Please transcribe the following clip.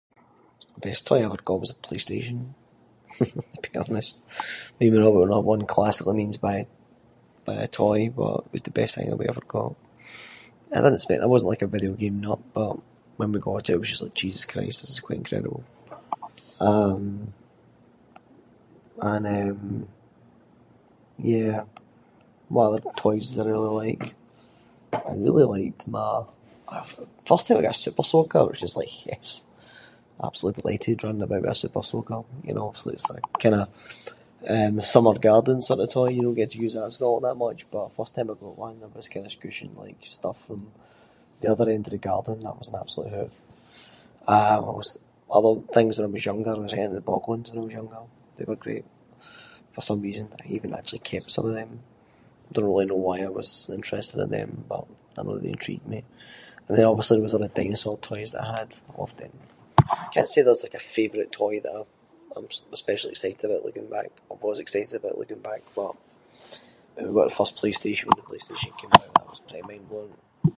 Best toy I ever got was a PlayStation to be honest, even though it’s not what one classically means by- by a toy, but it was the best thing that we ever got. I didn’t spend- I wasn’t like a video-game nut, but when we got it, it was just like Jesus Christ this is quite incredible. Um, and eh, yeah, what other toys did I really like? I really liked my- first time I got a Supersoaker, it was just like yes, absolutely delighted, running about with a Supersoaker, you know obviously it’s a kind of eh summer garden sort of toy, you don’t get to use that in Scotland that much. But first time I got one I was kind of scooshing, like stuff from the other end of the garden and that was an absolute hoot. Uh what was other things when I was younger? I was into the Boglins when I was younger, they were great. For some reason, I even actually kept some of them. Don’t really know why I was interested in them, but I know that they intrigued me. And then obviously there was all the dinosaur toys that I had. I loved them. Can’t say there’s like a favourite toy that I- I’m especially excited about looking back, or was excited about looking back but- maybe it were the first PlayStation when the PlayStation came out, aye that was pretty mind-blowing.